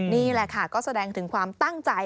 นี่แหละค่ะก็แสดงถึงความตั้งใจ